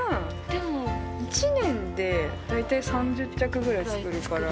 でも１年で、大体３０着ぐらい作るから。